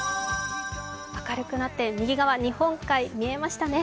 明るくなって右側日本海見えましたね。